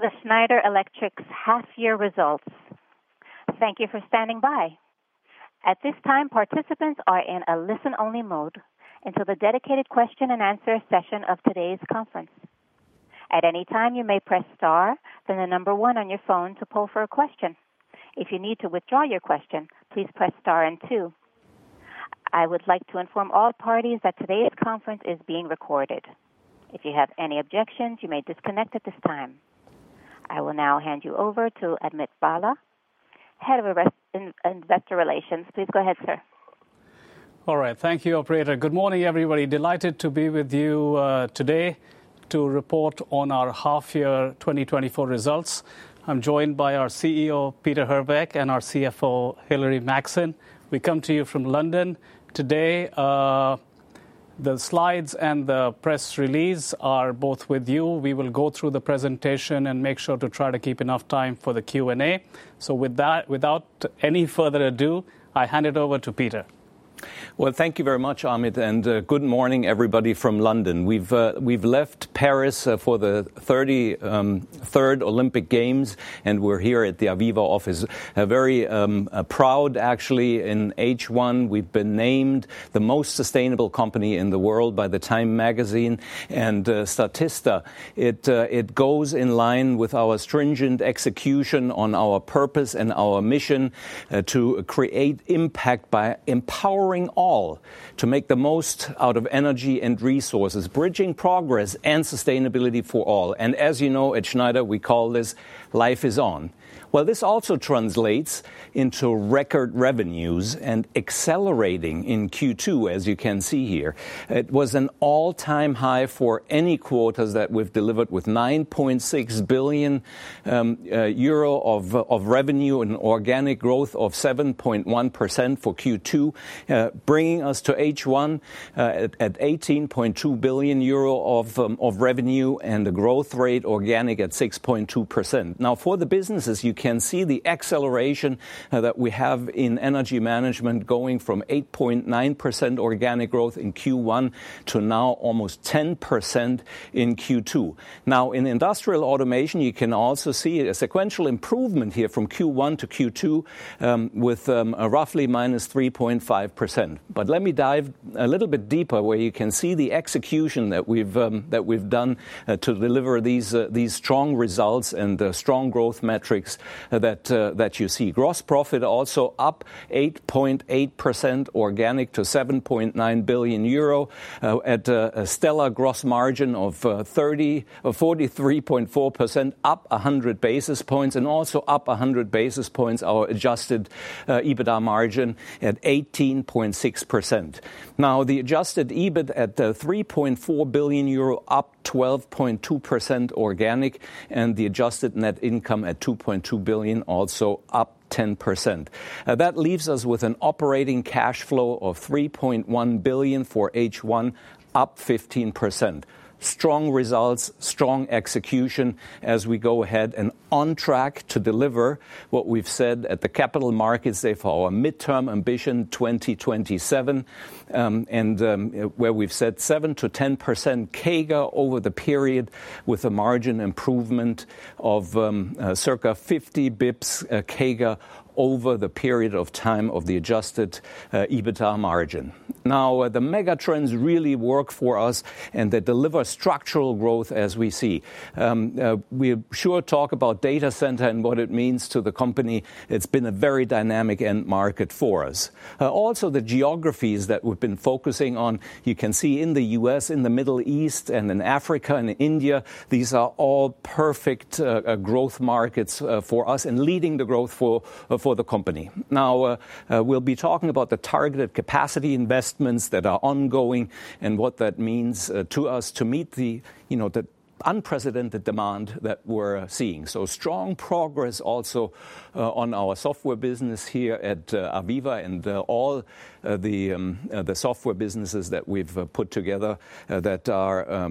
Welcome to Schneider Electric's half-year results. Thank you for standing by. At this time, participants are in a listen-only mode until the dedicated question and answer session of today's conference. At any time, you may press star, then the number one on your phone to poll for a question. If you need to withdraw your question, please press star and 2. I would like to inform all parties that today's conference is being recorded. If you have any objections, you may disconnect at this time. I will now hand you over to Amit Bhalla, Head of Investor Relations. Please go ahead, sir. All right. Thank you, operator. Good morning, everybody. Delighted to be with you today to report on our half-year 2024 results. I'm joined by our CEO, Peter Herweck, and our CFO, Hilary Maxson. We come to you from London today. The slides and the press release are both with you. We will go through the presentation and make sure to try to keep enough time for the Q&A. So with that, without any further ado, I hand it over to Peter. Well, thank you very much, Amit, and good morning, everybody from London. We've left Paris for the thirty-third Olympic Games, and we're here at the AVEVA office. Very proud, actually, in H1, we've been named the most sustainable company in the world by the TIME magazine and Statista. It goes in line with our stringent execution on our purpose and our mission to create impact by empowering all to make the most out of energy and resources, bridging progress and sustainability for all. And as you know, at Schneider, we call this Life Is On. Well, this also translates into record revenues and accelerating in Q2, as you can see here. It was an all-time high for any quarters that we've delivered with 9.6 billion euro of revenue and organic growth of 7.1% for Q2, bringing us to H1 at 18.2 billion euro of revenue, and the growth rate organic at 6.2%. Now, for the businesses, you can see the acceleration that we have in energy management, going from 8.9% organic growth in Q1 to now almost 10% in Q2. Now, in industrial automation, you can also see a sequential improvement here from Q1 to Q2 with a roughly -3.5%. But let me dive a little bit deeper, where you can see the execution that we've, that we've done, to deliver these, these strong results and the strong growth metrics that, that you see. Gross profit also up 8.8% organic to 7.9 billion euro, at a stellar gross margin of 43.4%, up 100 basis points, and also up 100 basis points, our adjusted EBITDA margin at 18.6%. Now, the adjusted EBIT at 3.4 billion euro, up 12.2% organic, and the adjusted net income at 2.2 billion, also up 10%. That leaves us with an operating cash flow of 3.1 billion for H1, up 15%. Strong results, strong execution as we go ahead and on track to deliver what we've said at the Capital Markets Day for our midterm ambition, 2027, where we've said 7%-10% CAGR over the period, with a margin improvement of circa 50 bips CAGR over the period of time of the adjusted EBITDA margin. Now, the megatrends really work for us, and they deliver structural growth as we see. We sure talk about data center and what it means to the company. It's been a very dynamic end market for us. Also, the geographies that we've been focusing on, you can see in the U.S., in the Middle East, and in Africa, and India, these are all perfect growth markets for us and leading the growth for the company. Now, we'll be talking about the targeted capacity investments that are ongoing and what that means to us to meet the, you know, the unprecedented demand that we're seeing. So strong progress also on our software business here at AVEVA and all the software businesses that we've put together that are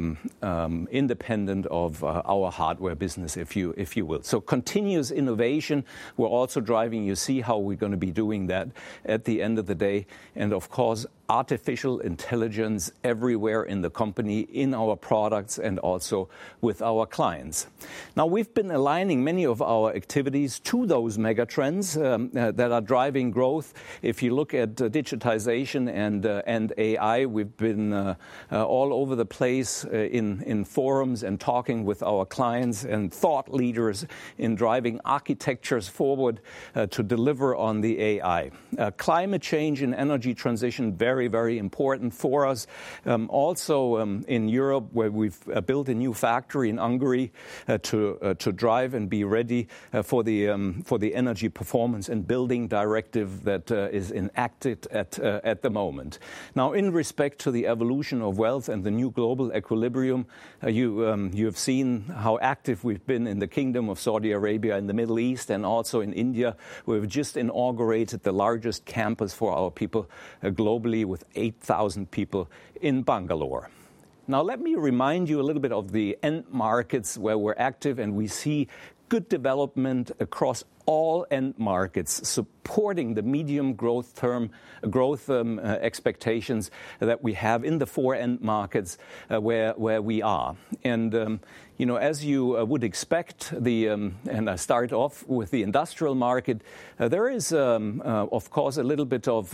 independent of our hardware business, if you will. So continuous innovation, we're also driving. You see how we're gonna be doing that at the end of the day, and of course, artificial intelligence everywhere in the company, in our products, and also with our clients. Now, we've been aligning many of our activities to those Megatrends that are driving growth. If you look at digitization and AI, we've been all over the place in forums and talking with our clients and thought leaders in driving architectures forward to deliver on the AI. Climate change and energy transition, very, very important for us. Also, in Europe, where we've built a new factory in Hungary to drive and be ready for the energy performance and building directive that is enacted at the moment. Now, in respect to the evolution of wealth and the new global equilibrium, you've seen how active we've been in the Kingdom of Saudi Arabia, in the Middle East, and also in India, where we've just inaugurated the largest campus for our people globally, with 8,000 people in Bangalore. Now let me remind you a little bit of the end markets where we're active, and we see good development across all end markets, supporting the medium growth term, growth, expectations that we have in the four end markets, where we are. And, you know, as you would expect, the... And I start off with the industrial market. There is, of course, a little bit of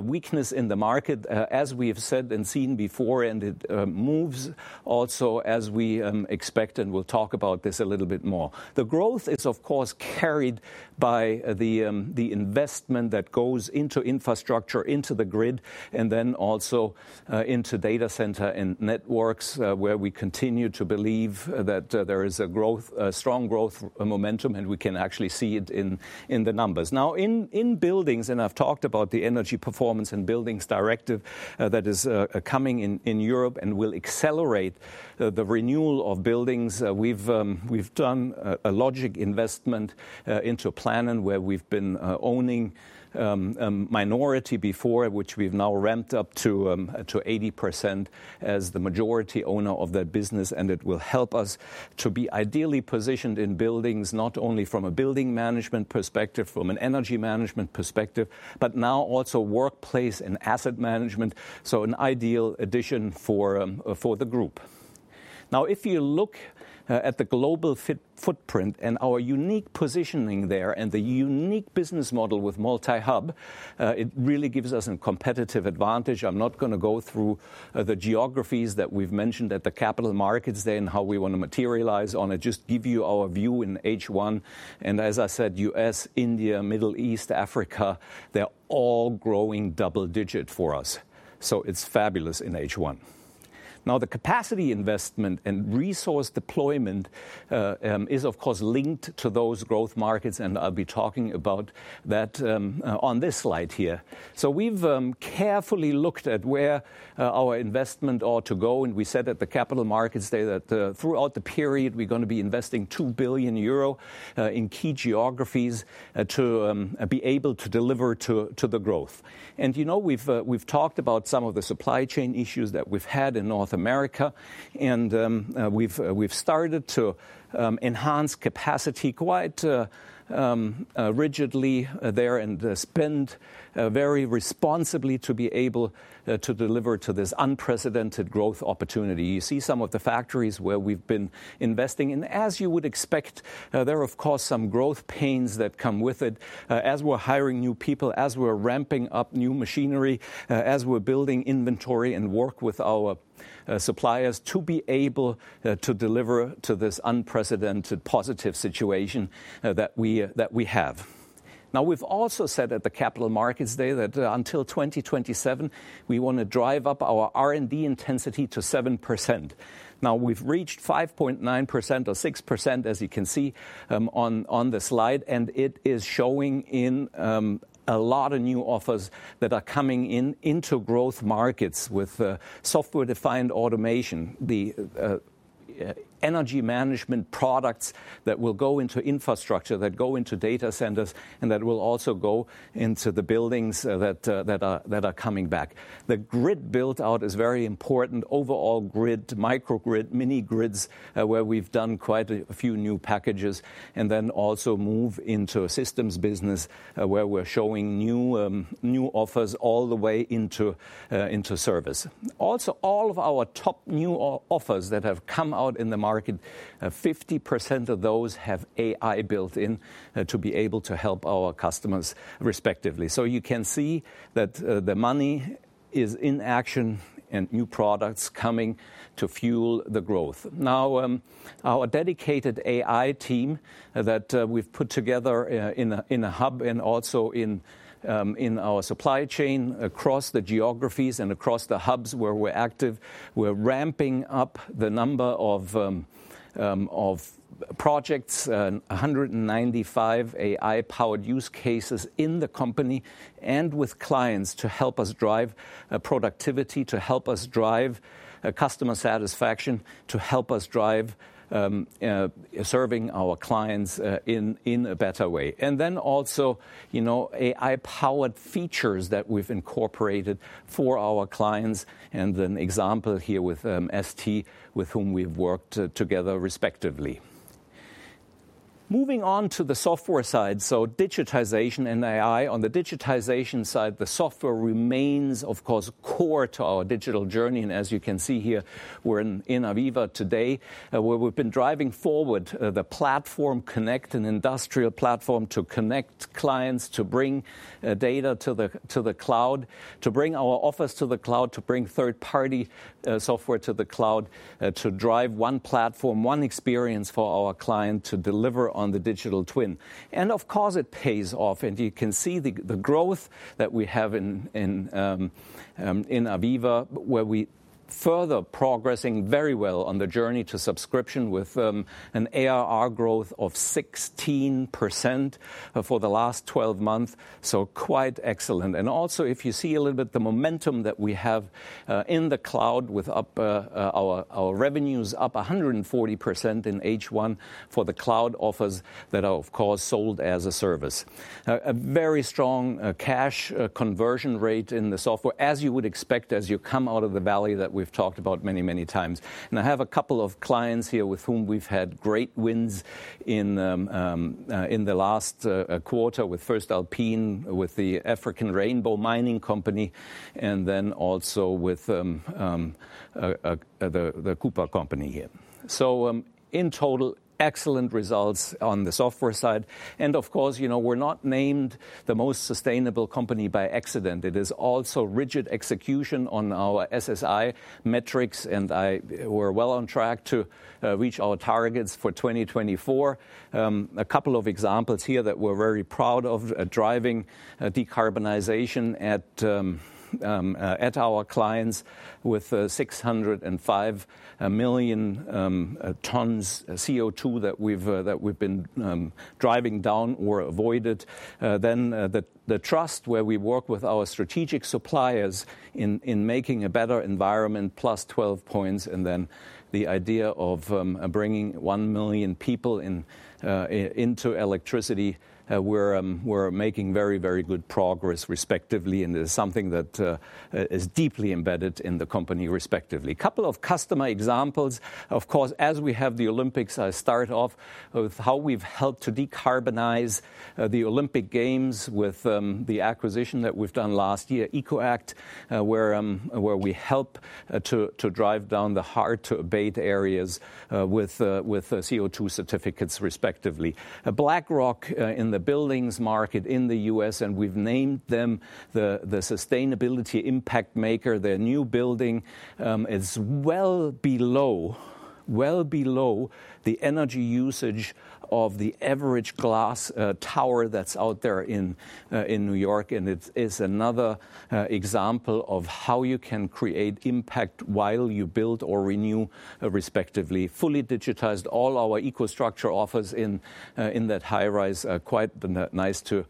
weakness in the market, as we have said and seen before, and it moves also as we expect, and we'll talk about this a little bit more. The growth is, of course, carried by the, the investment that goes into infrastructure, into the grid, and then also, into data center and networks, where we continue to believe that, there is a growth, a strong growth, momentum, and we can actually see it in, in the numbers. Now, in, in buildings, and I've talked about the energy performance and buildings directive, that is, coming in, in Europe and will accelerate, the renewal of buildings. We've done a logical investment into Planon where we've been owning a minority before, which we've now ramped up to 80% as the majority owner of that business, and it will help us to be ideally positioned in buildings, not only from a building management perspective, from an energy management perspective, but now also workplace and asset management, so an ideal addition for the group. Now, if you look at the global footprint and our unique positioning there and the unique business model with multi-hub, it really gives us a competitive advantage. I'm not gonna go through the geographies that we've mentioned at the Capital Markets Day and how we want to materialize on it. Just give you our view in H1, and as I said, U.S., India, Middle East, Africa, they're all growing double digit for us. So it's fabulous in H1. Now, the capacity investment and resource deployment is of course linked to those growth markets, and I'll be talking about that on this slide here. So we've carefully looked at where our investment ought to go, and we said at the Capital Markets Day that throughout the period, we're gonna be investing 2 billion euro in key geographies to be able to deliver to the growth. You know, we've talked about some of the supply chain issues that we've had in North America, and we've started to enhance capacity quite rigidly there and spend very responsibly to be able to deliver to this unprecedented growth opportunity. You see some of the factories where we've been investing in. As you would expect, there are, of course, some growth pains that come with it as we're hiring new people, as we're ramping up new machinery, as we're building inventory and work with our suppliers to be able to deliver to this unprecedented positive situation that we have. Now, we've also said at the Capital Markets Day that until 2027, we wanna drive up our R&D intensity to 7%. Now, we've reached 5.9% or 6%, as you can see, on the slide, and it is showing in a lot of new offers that are coming in into growth markets with software-defined automation, the energy management products that will go into infrastructure, that go into data centers, and that will also go into the buildings that are coming back. The grid build-out is very important. Overall grid, microgrid, mini grids, where we've done quite a few new packages, and then also move into a systems business, where we're showing new offers all the way into service. Also, all of our top new offers that have come out in the market, 50% of those have AI built in to be able to help our customers respectively. So you can see that, the money is in action and new products coming to fuel the growth. Now, our dedicated AI team that we've put together, in a hub and also in our supply chain, across the geographies and across the hubs where we're active, we're ramping up the number of projects, 195 AI-powered use cases in the company and with clients to help us drive productivity, to help us drive customer satisfaction, to help us drive serving our clients in a better way. And then also, you know, AI-powered features that we've incorporated for our clients, and an example here with ST, with whom we've worked together respectively. Moving on to the software side, so digitization and AI. On the digitization side, the software remains, of course, core to our digital journey, and as you can see here, we're in, in AVEVA today, where we've been driving forward, the Platform Connect and industrial platform to connect clients, to bring, data to the, to the cloud, to bring our office to the cloud, to bring third-party, software to the cloud, to drive one platform, one experience for our client to deliver on the digital twin. And of course, it pays off. And you can see the, the growth that we have in, in, in AVEVA, where we further progressing very well on the journey to subscription with, an ARR growth of 16% for the last 12 months, so quite excellent. And also, if you see a little bit, the momentum that we have in the cloud with up our revenues up 140% in H1 for the cloud offers that are, of course, sold as a service. A very strong cash conversion rate in the software, as you would expect, as you come out of the valley that we've talked about many, many times. And I have a couple of clients here with whom we've had great wins in the last quarter with voestalpine, with African Rainbow Minerals, and then also with Codelco here. So, in total, excellent results on the software side. And of course, you know, we're not named the most sustainable company by accident. It is also rigid execution on our SSI metrics, and we're well on track to reach our targets for 2024. A couple of examples here that we're very proud of: driving decarbonization at our clients with 605 million tons CO2 that we've been driving down or avoided. Then, the trust where we work with our strategic suppliers in making a better environment, +12 points, and then the idea of bringing 1 million people into electricity, we're making very, very good progress respectively, and it's something that is deeply embedded in the company respectively. Couple of customer examples. Of course, as we have the Olympics, I start off with how we've helped to decarbonize the Olympic Games with the acquisition that we've done last year, EcoAct, where we help to drive down the hard-to-abate areas with CO2 certificates respectively. BlackRock in the buildings market in the U.S., and we've named them the sustainability impact maker. Their new building is well below the energy usage of the average glass tower that's out there in New York, and it's another example of how you can create impact while you build or renew respectively. Fully digitized all our EcoStruxure offers in that high-rise. Quite nice to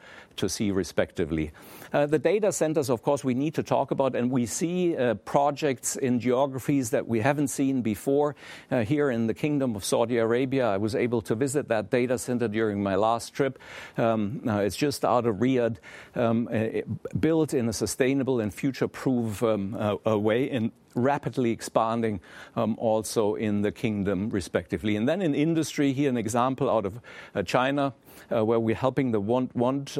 see respectively. The data centers, of course, we need to talk about, and we see projects in geographies that we haven't seen before. Here in the Kingdom of Saudi Arabia, I was able to visit that data center during my last trip. It's just out of Riyadh, built in a sustainable and future-proof way and rapidly expanding, also in the kingdom respectively. And then in industry, here an example out of China, where we're helping the Want Want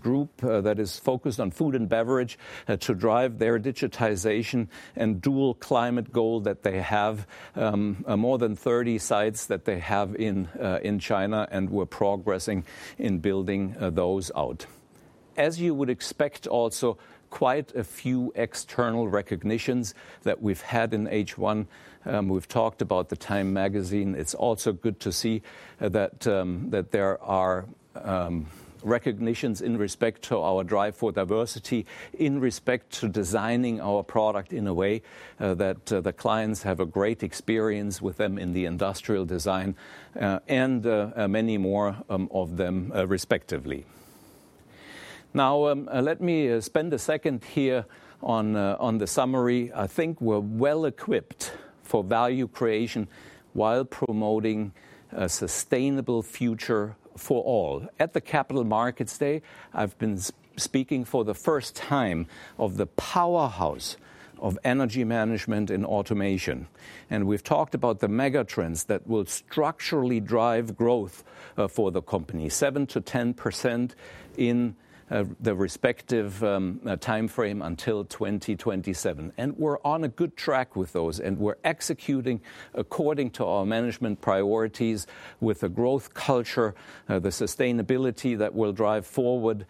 Group, that is focused on food and beverage, to drive their digitization and dual climate goal that they have, more than 30 sites that they have in China, and we're progressing in building those out. As you would expect, also, quite a few external recognitions that we've had in H1. We've talked about the TIME magazine. It's also good to see that there are recognitions in respect to our drive for diversity, in respect to designing our product in a way that the clients have a great experience with them in the industrial design, and many more of them, respectively. Now, let me spend a second here on the summary. I think we're well-equipped for value creation while promoting a sustainable future for all. At the Capital Markets Day, I've been speaking for the first time of the powerhouse of energy management and automation, and we've talked about the megatrends that will structurally drive growth for the company, 7%-10% in the respective timeframe until 2027. And we're on a good track with those, and we're executing according to our management priorities with a growth culture, the sustainability that will drive forward,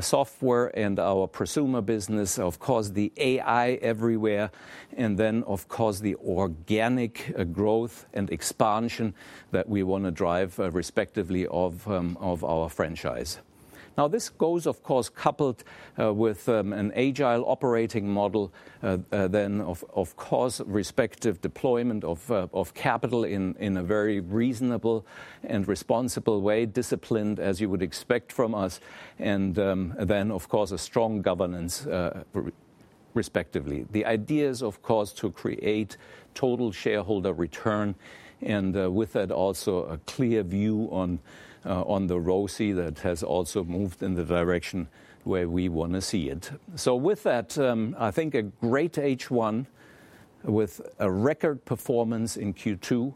software and our prosumer business, of course, the AI everywhere, and then, of course, the organic, growth and expansion that we wanna drive, respectively of, of our franchise. Now, this goes, of course, coupled, with, an agile operating model, then, of, of course, respective deployment of, of capital in, in a very reasonable and responsible way, disciplined as you would expect from us, and, then, of course, a strong governance, respectively. The idea is, of course, to create total shareholder return, and, with that, also a clear view on, on the ROCE that has also moved in the direction where we wanna see it. So with that, I think a great H1 with a record performance in Q2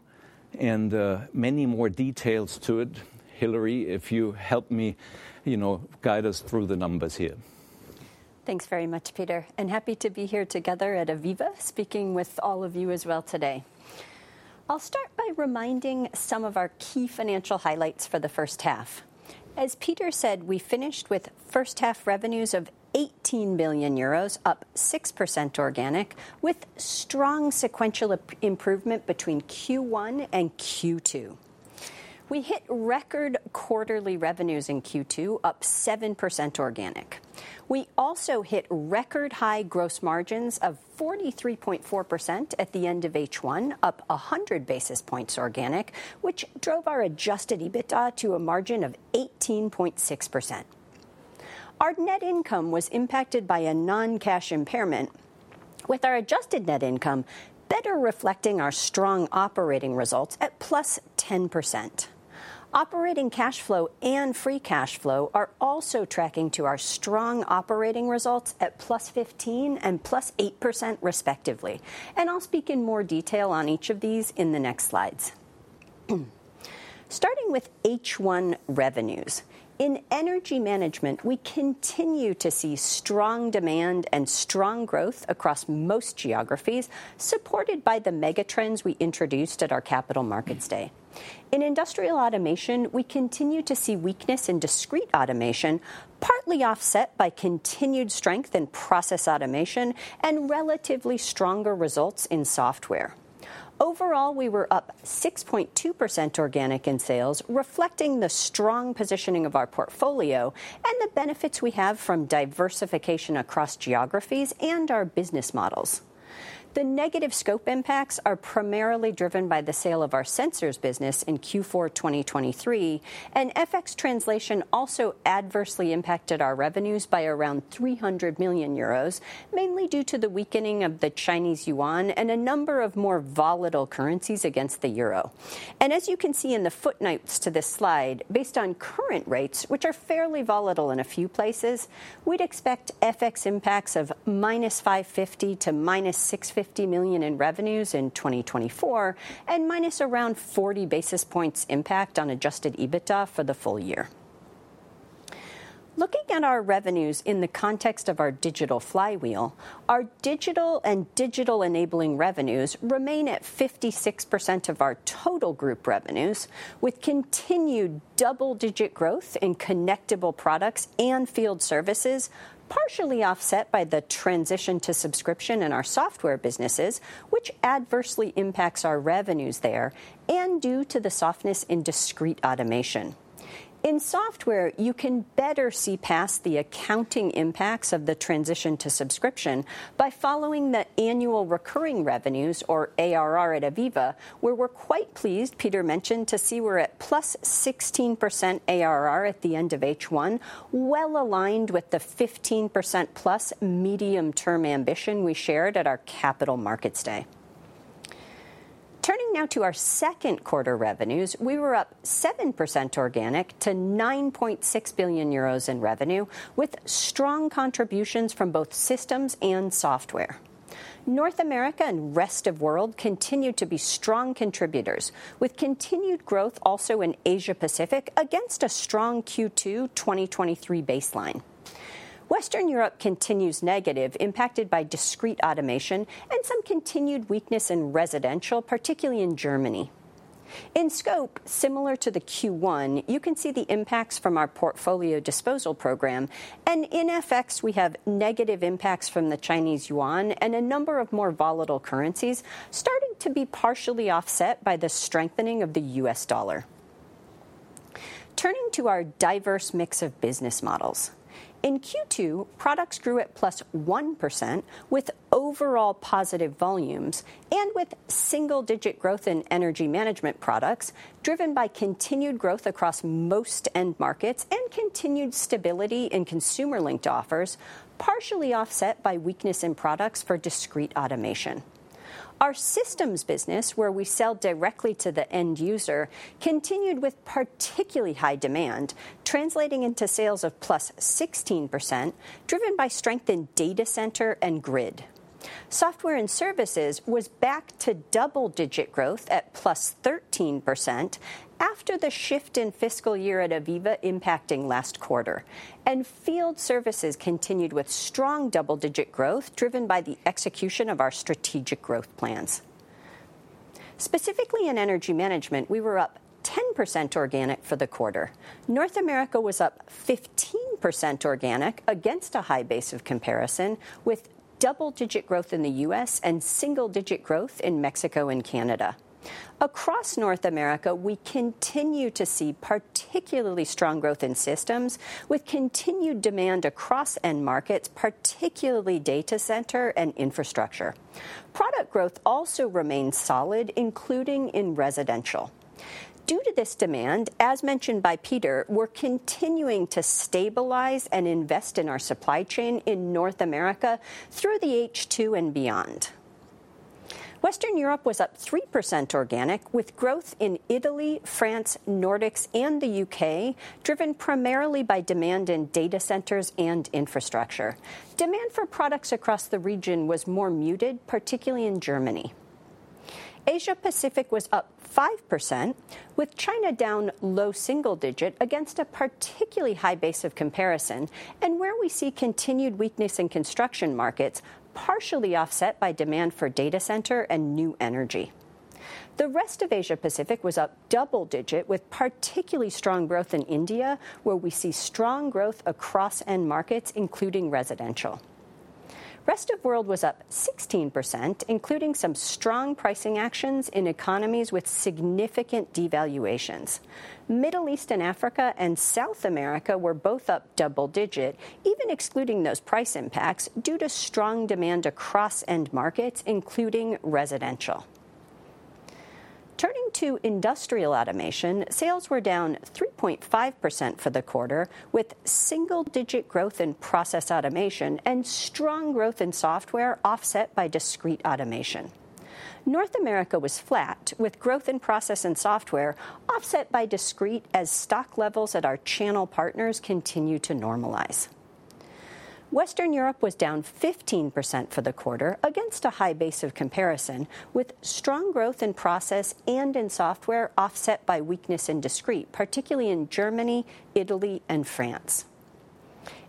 and many more details to it. Hilary, if you help me, you know, guide us through the numbers here. Thanks very much, Peter, and happy to be here together at AVEVA, speaking with all of you as well today. I'll start by reminding some of our key financial highlights for the H1. As Peter said, we finished with first-half revenues of 18 billion euros, up 6% organic, with strong sequential improvement between Q1 and Q2. We hit record quarterly revenues in Q2, up 7% organic. We also hit record-high gross margins of 43.4% at the end of H1, up 100 basis points organic, which drove our adjusted EBITDA to a margin of 18.6%. Our net income was impacted by a non-cash impairment, with our adjusted net income better reflecting our strong operating results at +10%. Operating cash flow and free cash flow are also tracking to our strong operating results at +15% and +8% respectively, and I'll speak in more detail on each of these in the next slides. Starting with H1 revenues, in Energy Management, we continue to see strong demand and strong growth across most geographies, supported by the Megatrends we introduced at our Capital Markets Day. In Industrial Automation, we continue to see weakness in Discrete Automation, partly offset by continued strength in Process Automation and relatively stronger results in software. Overall, we were up 6.2% organic in sales, reflecting the strong positioning of our portfolio and the benefits we have from diversification across geographies and our business models. The negative scope impacts are primarily driven by the sale of our sensors business in Q4 2023, and FX translation also adversely impacted our revenues by around 300 million euros, mainly due to the weakening of the Chinese yuan and a number of more volatile currencies against the euro. As you can see in the footnotes to this slide, based on current rates, which are fairly volatile in a few places, we'd expect FX impacts of -550 million to -650 million in revenues in 2024, and minus around 40 basis points impact on adjusted EBITDA for the full year. Looking at our revenues in the context of our Digital Flywheel, our digital and digital-enabling revenues remain at 56% of our total group revenues, with continued double-digit growth in connectable products and field services, partially offset by the transition to subscription in our software businesses, which adversely impacts our revenues there, and due to the softness in Discrete Automation. In software, you can better see past the accounting impacts of the transition to subscription by following the annual recurring revenues, or ARR, at AVEVA, where we're quite pleased, Peter mentioned, to see we're at +16% ARR at the end of H1, well aligned with the 15%+ medium-term ambition we shared at our Capital Markets Day. Turning now to our second quarter revenues, we were up 7% organic to 9.6 billion euros in revenue, with strong contributions from both systems and software. North America and rest of world continued to be strong contributors, with continued growth also in Asia Pacific against a strong Q2 2023 baseline. Western Europe continues negative, impacted by discrete automation and some continued weakness in residential, particularly in Germany. In scope, similar to the Q1, you can see the impacts from our portfolio disposal program, and in FX, we have negative impacts from the Chinese yuan and a number of more volatile currencies, starting to be partially offset by the strengthening of the US dollar. Turning to our diverse mix of business models, in Q2, products grew at +1%, with overall positive volumes and with single-digit growth in energy management products, driven by continued growth across most end markets and continued stability in consumer-linked offers, partially offset by weakness in products for discrete automation. Our systems business, where we sell directly to the end user, continued with particularly high demand, translating into sales of +16%, driven by strength in data center and grid. Software and services was back to double-digit growth at +13% after the shift in fiscal year at AVEVA impacting last quarter. Field services continued with strong double-digit growth, driven by the execution of our strategic growth plans. Specifically in energy management, we were up 10% organic for the quarter. North America was up 15% organic against a high base of comparison, with double-digit growth in the US and single-digit growth in Mexico and Canada. Across North America, we continue to see particularly strong growth in systems, with continued demand across end markets, particularly data center and infrastructure. Product growth also remains solid, including in residential. Due to this demand, as mentioned by Peter, we're continuing to stabilize and invest in our supply chain in North America through the H2 and beyond. Western Europe was up 3% organic, with growth in Italy, France, Nordics, and the UK, driven primarily by demand in data centers and infrastructure. Demand for products across the region was more muted, particularly in Germany. Asia Pacific was up 5%, with China down low single digit against a particularly high base of comparison, and where we see continued weakness in construction markets, partially offset by demand for data center and new energy. The rest of Asia Pacific was up double digit, with particularly strong growth in India, where we see strong growth across end markets, including residential. Rest of world was up 16%, including some strong pricing actions in economies with significant devaluations. Middle East and Africa and South America were both up double-digit, even excluding those price impacts, due to strong demand across end markets, including residential. Turning to industrial automation, sales were down 3.5% for the quarter, with single-digit growth in process automation and strong growth in software offset by discrete automation. North America was flat, with growth in process and software offset by discrete as stock levels at our channel partners continue to normalize. Western Europe was down 15% for the quarter against a high base of comparison, with strong growth in process and in software offset by weakness in discrete, particularly in Germany, Italy, and France.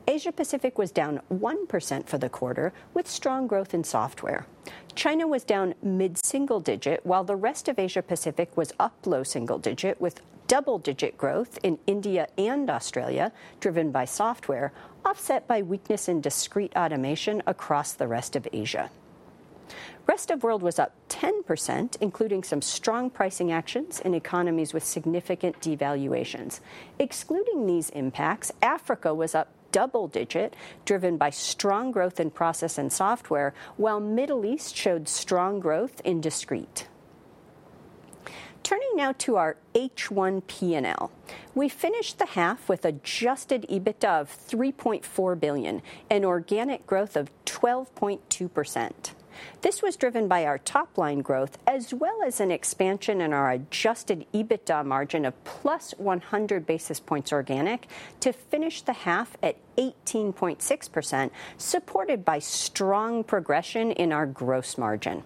Asia Pacific was down 1% for the quarter, with strong growth in software. China was down mid-single digit, while the rest of Asia Pacific was up low single digit, with double-digit growth in India and Australia, driven by software, offset by weakness in discrete automation across the rest of Asia. Rest of world was up 10%, including some strong pricing actions in economies with significant devaluations. Excluding these impacts, Africa was up double digit, driven by strong growth in process and software, while Middle East showed strong growth in discrete. Turning now to our H1 P&L. We finished the half with adjusted EBITDA of 3.4 billion and organic growth of 12.2%. This was driven by our top-line growth, as well as an expansion in our adjusted EBITDA margin of +100 basis points organic to finish the half at 18.6%, supported by strong progression in our gross margin.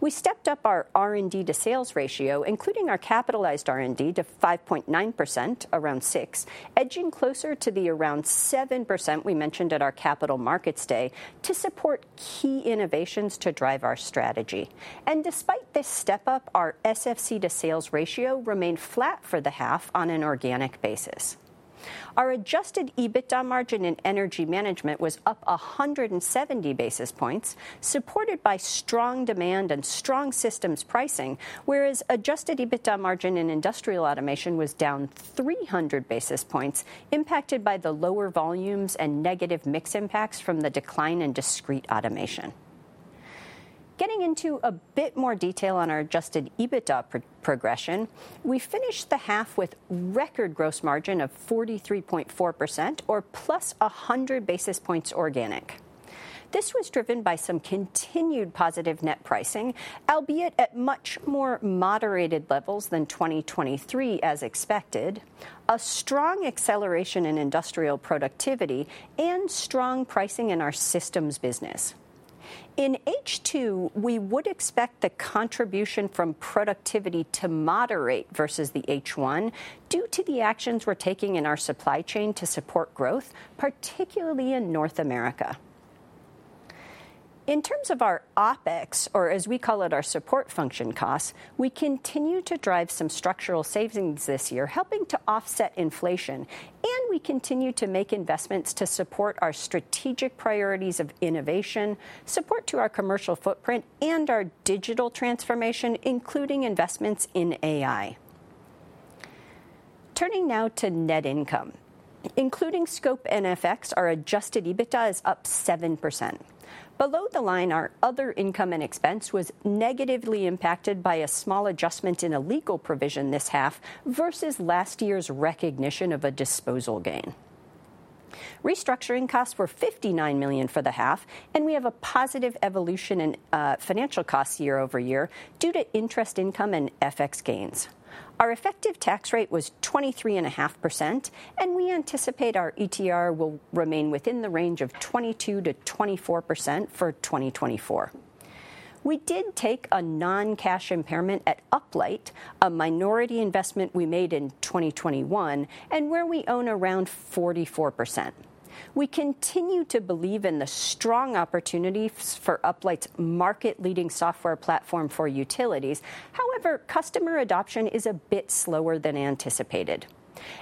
We stepped up our R&D to sales ratio, including our capitalized R&D, to 5.9%, around six, edging closer to the around 7% we mentioned at our Capital Markets Day, to support key innovations to drive our strategy. And despite this step-up, our SFC to sales ratio remained flat for the half on an organic basis. Our adjusted EBITDA margin in Energy Management was up 170 basis points, supported by strong demand and strong systems pricing, whereas adjusted EBITDA margin in Industrial Automation was down 300 basis points, impacted by the lower volumes and negative mix impacts from the decline in Discrete Automation. Getting into a bit more detail on our adjusted EBITDA progression, we finished the half with record gross margin of 43.4%, or +100 basis points organic. This was driven by some continued positive net pricing, albeit at much more moderated levels than 2023, as expected, a strong acceleration in industrial productivity, and strong pricing in our systems business. In H2, we would expect the contribution from productivity to moderate versus the H1, due to the actions we're taking in our supply chain to support growth, particularly in North America. In terms of our OpEx, or as we call it, our support function costs, we continue to drive some structural savings this year, helping to offset inflation, and we continue to make investments to support our strategic priorities of innovation, support to our commercial footprint, and our digital transformation, including investments in AI. Turning now to net income. Including scope and FX, our adjusted EBITDA is up 7%. Below the line, our other income and expense was negatively impacted by a small adjustment in a legal provision this half versus last year's recognition of a disposal gain. Restructuring costs were 59 million for the half, and we have a positive evolution in financial costs year over year due to interest income and FX gains. Our effective tax rate was 23.5%, and we anticipate our ETR will remain within the range of 22%-24% for 2024. We did take a non-cash impairment at Uplight, a minority investment we made in 2021, and where we own around 44%. We continue to believe in the strong opportunities for Uplight's market-leading software platform for utilities. However, customer adoption is a bit slower than anticipated,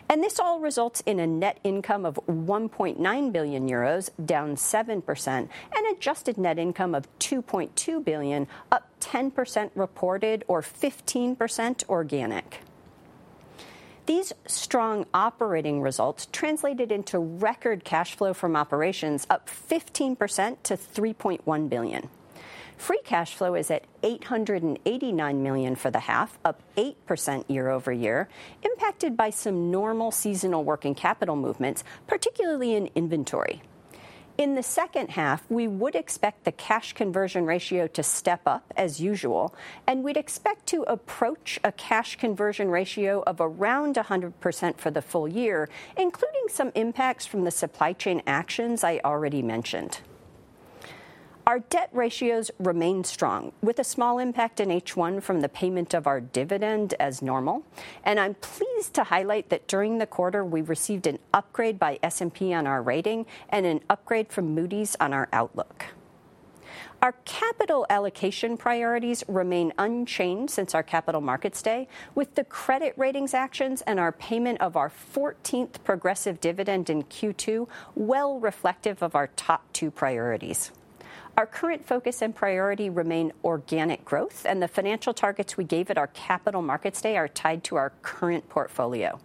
and this all results in a net income of 1.9 billion euros, down 7%, and adjusted net income of 2.2 billion, up 10% reported or 15% organic. These strong operating results translated into record cash flow from operations, up 15% to 3.1 billion. Free cash flow is at 889 million for the half, up 8% year-over-year, impacted by some normal seasonal working capital movements, particularly in inventory. In the H2, we would expect the cash conversion ratio to step up as usual, and we'd expect to approach a cash conversion ratio of around 100% for the full year, including some impacts from the supply chain actions I already mentioned. Our debt ratios remain strong, with a small impact in H1 from the payment of our dividend as normal, and I'm pleased to highlight that during the quarter, we received an upgrade by S&P on our rating and an upgrade from Moody's on our outlook. Our capital allocation priorities remain unchanged since our Capital Markets Day, with the credit ratings actions and our payment of our 14th progressive dividend in Q2 well reflective of our top two priorities. Our current focus and priority remain organic growth, and the financial targets we gave at our Capital Markets Day are tied to our current portfolio.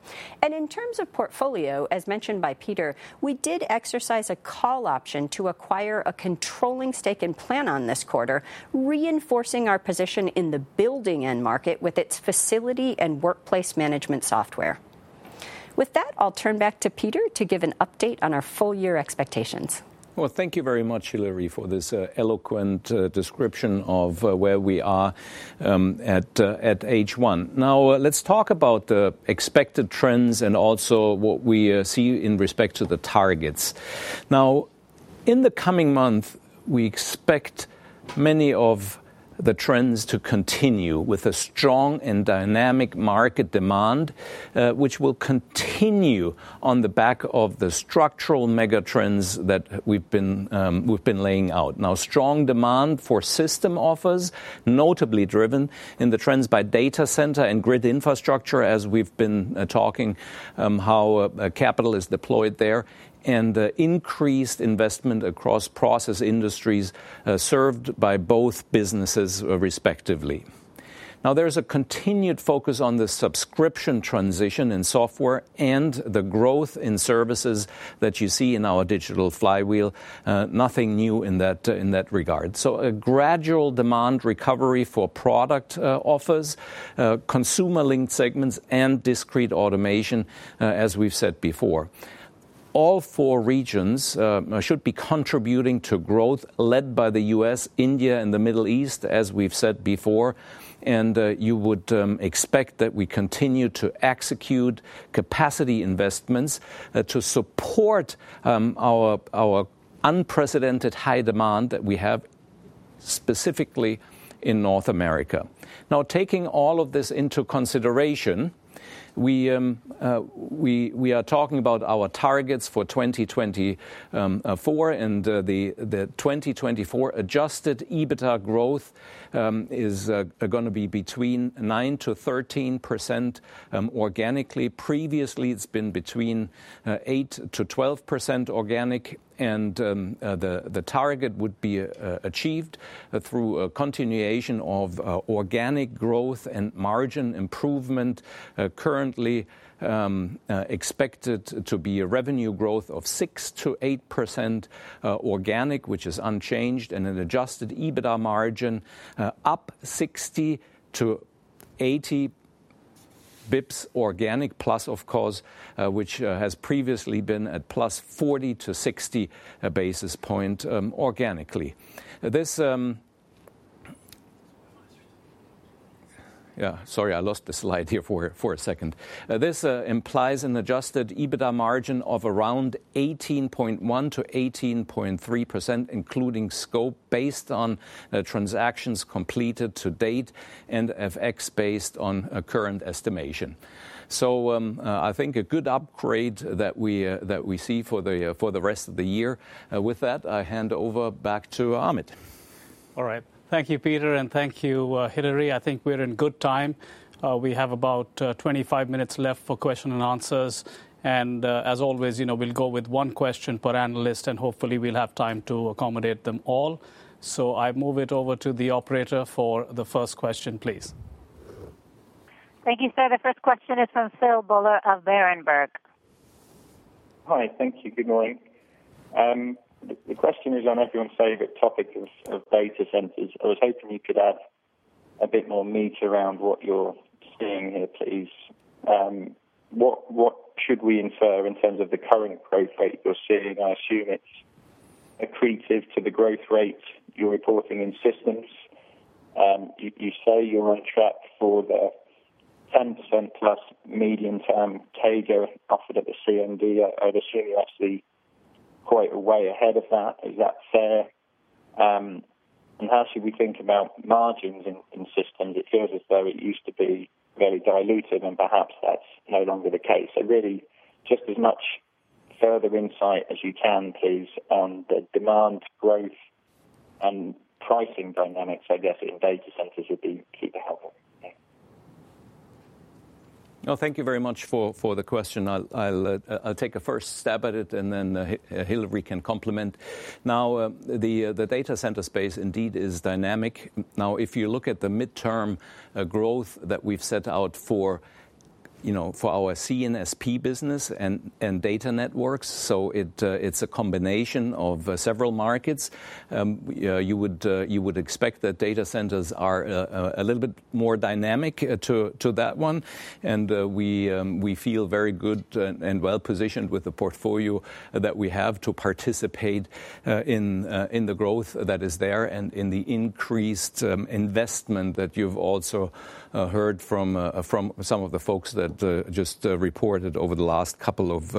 In terms of portfolio, as mentioned by Peter, we did exercise a call option to acquire a controlling stake in Planon this quarter, reinforcing our position in the building end market with its facility and workplace management software. With that, I'll turn back to Peter to give an update on our full year expectations. Well, thank you very much, Hilary, for this eloquent description of where we are at H1. Now, let's talk about the expected trends and also what we see in respect to the targets. In the coming month, we expect many of the trends to continue with a strong and dynamic market demand, which will continue on the back of the structural megatrends that we've been laying out. Now, strong demand for system offers, notably driven in the trends by data center and grid infrastructure, as we've been talking how capital is deployed there, and the increased investment across process industries, served by both businesses, respectively. Now, there's a continued focus on the subscription transition in software and the growth in services that you see in our Digital Flywheel. Nothing new in that, in that regard. So a gradual demand recovery for product offers, consumer-linked segments and Discrete Automation, as we've said before. All four regions should be contributing to growth, led by the U.S., India, and the Middle East, as we've said before, and you would expect that we continue to execute capacity investments to support our unprecedented high demand that we have, specifically in North America. Now, taking all of this into consideration, we are talking about our targets for 2024, and the 2024 adjusted EBITDA growth is gonna be between 9%-13%, organically. Previously, it's been between 8%-12% organic, and the target would be achieved through a continuation of organic growth and margin improvement. Currently, expected to be a revenue growth of 6%-8% organic, which is unchanged, and an Adjusted EBITDA margin up 60-80 basis points organic plus, of course, which has previously been at plus 40 to 60 basis points organically. This... Yeah, sorry, I lost the slide here for a second. This implies an Adjusted EBITDA margin of around 18.1%-18.3%, including scope, based on transactions completed to date and FX based on a current estimation. So, I think a good upgrade that we see for the rest of the year. With that, I hand over back to Amit. All right. Thank you, Peter, and thank you, Hilary. I think we're in good time. We have about, 25 minutes left for question and answers. And, as always, you know, we'll go with one question per analyst, and hopefully we'll have time to accommodate them all. So I move it over to the operator for the first question, please. Thank you, sir. The first question is from Philip Buller of Berenberg. Hi, thank you. Good morning. The question is on everyone's favorite topic of data centers. I was hoping you could add a bit more meat around what you're seeing here, please. What should we infer in terms of the current growth rate you're seeing? I assume it's accretive to the growth rate you're reporting in systems. You say you're on track for the 10%+ medium-term CAGR offered at the CMD. I'd assume you're actually quite a way ahead of that. Is that fair? And how should we think about margins in systems? It feels as though it used to be very diluted, and perhaps that's no longer the case. So really, just as much further insight as you can, please, on the demand growth and pricing dynamics, I guess, in data centers would be super helpful. Yeah. Well, thank you very much for the question. I'll take a first stab at it, and then Hilary can complement. Now, the data center space indeed is dynamic. Now, if you look at the midterm growth that we've set out for, you know, for our CNSP business and data networks, so it, it's a combination of several markets. You would expect that data centers are a little bit more dynamic to that one. We feel very good and well-positioned with the portfolio that we have to participate in the growth that is there and in the increased investment that you've also heard from some of the folks that just reported over the last couple of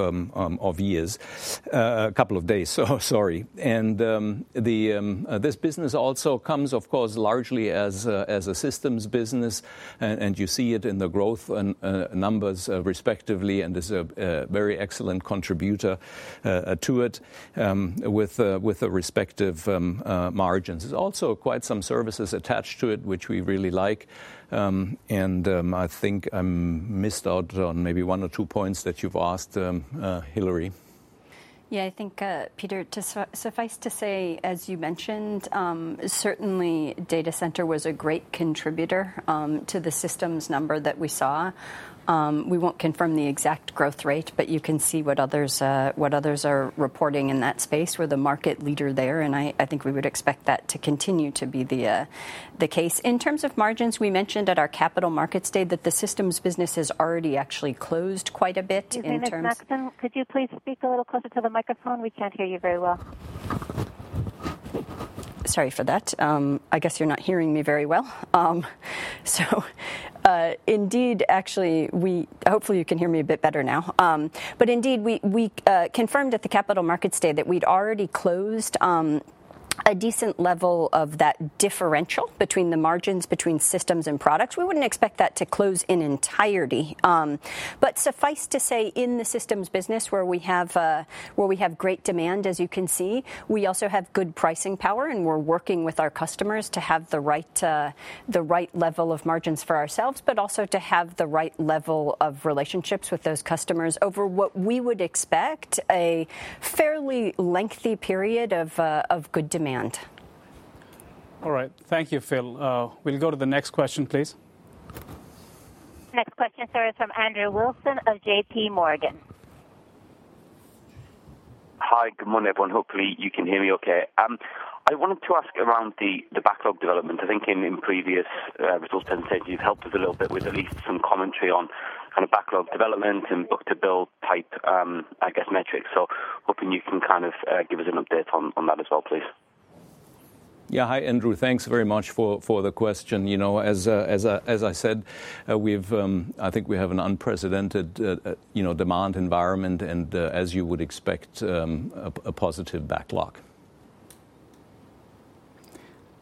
days, so sorry. And this business also comes, of course, largely as a Systems Business, and you see it in the growth and numbers, respectively, and is a very excellent contributor to it with the respective margins. There's also quite some services attached to it, which we really like, and I think I missed out on maybe one or two points that you've asked, Hilary. Yeah, I think, Peter, to suffice to say, as you mentioned, certainly data center was a great contributor to the systems number that we saw. We won't confirm the exact growth rate, but you can see what others, what others are reporting in that space. We're the market leader there, and I think we would expect that to continue to be the case. In terms of margins, we mentioned at our Capital Markets Day that the systems business is already actually closed quite a bit in terms- Excuse me, Ms. Maxson, could you please speak a little closer to the microphone? We can't hear you very well. ... Sorry for that. I guess you're not hearing me very well. So, indeed, actually, hopefully you can hear me a bit better now. But indeed, we confirmed at the Capital Markets Day that we'd already closed a decent level of that differential between the margins between systems and products. We wouldn't expect that to close in entirety. But suffice to say, in the systems business, where we have great demand, as you can see, we also have good pricing power, and we're working with our customers to have the right level of margins for ourselves, but also to have the right level of relationships with those customers over what we would expect a fairly lengthy period of good demand. All right. Thank you, Phil. We'll go to the next question, please. Next question, sir, is from Andrew Wilson of J.P. Morgan. Hi. Good morning, everyone. Hopefully you can hear me okay. I wanted to ask around the backlog development. I think in previous results presentations, you've helped us a little bit with at least some commentary on kind of backlog development and book-to-bill type, I guess, metrics. So hoping you can kind of give us an update on that as well, please. Yeah. Hi, Andrew. Thanks very much for the question. You know, as I said, we've... I think we have an unprecedented, you know, demand environment and, as you would expect, a positive backlog.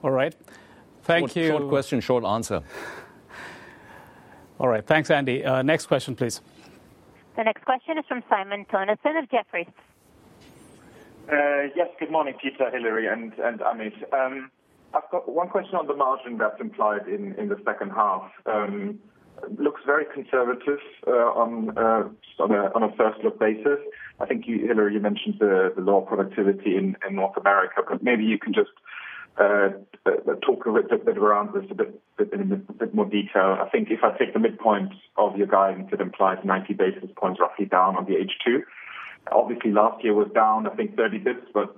All right. Thank you- Short question, short answer. All right, thanks, Andy. Next question, please. The next question is from Simon Toennessen of Jefferies. Yes, good morning, Peter, Hilary, and Amit. I've got one question on the margin that's implied in the H2. Looks very conservative, on a first look basis. I think you, Hilary, you mentioned the lower productivity in North America, but maybe you can just talk a bit around this a bit more detail. I think if I take the midpoint of your guidance, it implies 90 basis points roughly down on the H2. Obviously, last year was down, I think, 30 bips, but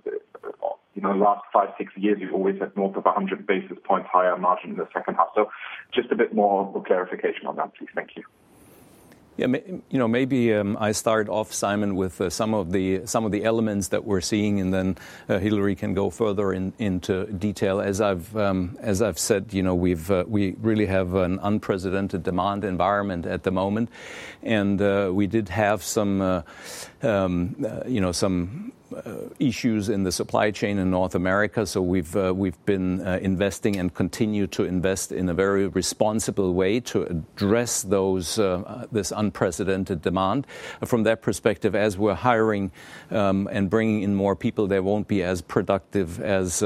you know, last five, six years, you've always had north of 100 basis points higher margin in the H2. So just a bit more for clarification on that, please. Thank you. Yeah, maybe, you know, I start off, Simon, with some of the elements that we're seeing, and then Hilary can go further into detail. As I've said, you know, we really have an unprecedented demand environment at the moment, and we did have some issues in the supply chain in North America, so we've been investing and continue to invest in a very responsible way to address those this unprecedented demand. From that perspective, as we're hiring and bringing in more people, they won't be as productive as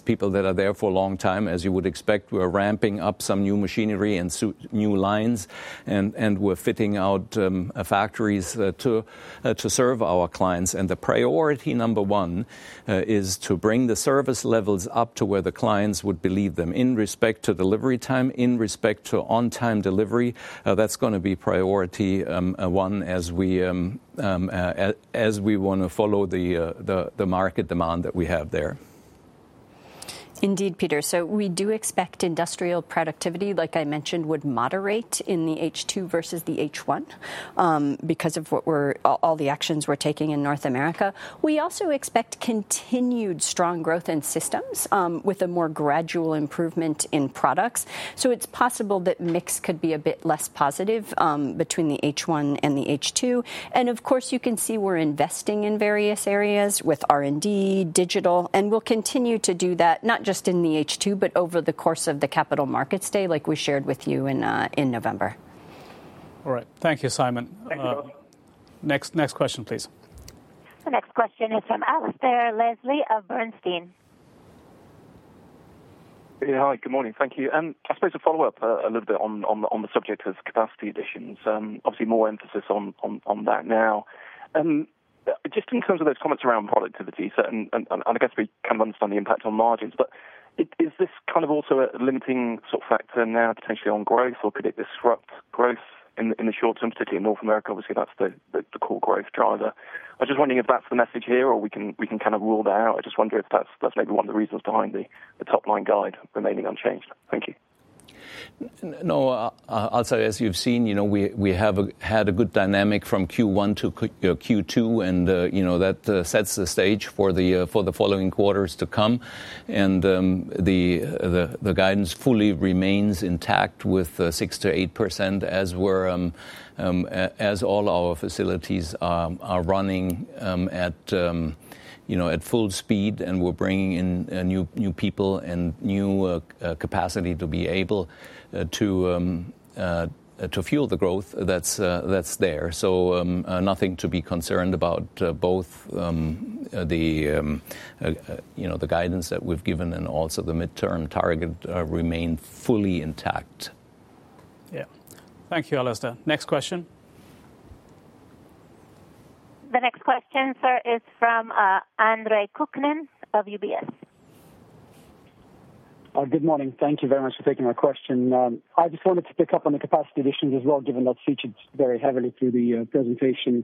people that are there for a long time. As you would expect, we're ramping up some new machinery and new lines, and we're fitting out factories to serve our clients. The priority number one is to bring the service levels up to where the clients would believe them in respect to delivery time, in respect to on-time delivery. That's gonna be priority one, as we wanna follow the market demand that we have there. Indeed, Peter. So we do expect industrial productivity, like I mentioned, would moderate in the H2 versus the H1, because of all the actions we're taking in North America. We also expect continued strong growth in systems, with a more gradual improvement in products. So it's possible that mix could be a bit less positive, between the H1 and the H2. And of course, you can see we're investing in various areas with R&D, digital, and we'll continue to do that, not just in the H2, but over the course of the Capital Markets Day, like we shared with you in November. All right. Thank you, Simon. Thank you. Next, next question, please. The next question is from Alasdair Leslie of Bernstein. Yeah. Hi, good morning. Thank you. And I suppose a follow-up, a little bit on the subject of capacity additions, obviously more emphasis on that now. Just in terms of those comments around productivity, and I guess we can understand the impact on margins, but is this kind of also a limiting sort of factor now potentially on growth, or could it disrupt growth in the short term, particularly in North America? Obviously, that's the core growth driver. I'm just wondering if that's the message here, or we can kind of rule that out. I just wonder if that's maybe one of the reasons behind the top-line guide remaining unchanged. Thank you. No, Alasdair, as you've seen, you know, we have had a good dynamic from Q1 to Q2, and, you know, that sets the stage for the following quarters to come. And, the guidance fully remains intact with 6%-8% as all our facilities are running, you know, at full speed, and we're bringing in new people and new capacity to be able to fuel the growth that's there. So, nothing to be concerned about, both, you know, the guidance that we've given and also the midterm target remain fully intact. Yeah. Thank you, Alasdair. Next question? The next question, sir, is from Andre Kukhnin of UBS. Good morning. Thank you very much for taking my question. I just wanted to pick up on the capacity additions as well, given that featured very heavily through the presentation.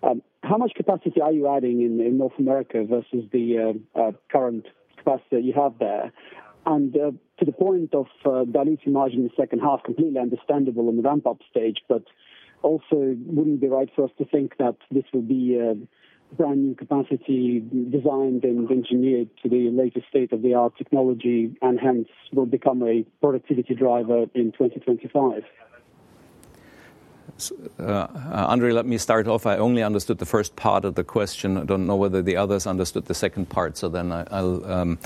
How much capacity are you adding in North America versus the current capacity that you have there?... And, to the point of, diluting margin in the H2, completely understandable in the ramp-up stage, but also wouldn't be right for us to think that this will be a brand-new capacity designed and engineered to the latest state-of-the-art technology, and hence will become a productivity driver in 2025? Andre, let me start off. I only understood the first part of the question. I don't know whether the others understood the second part, so then I, I'll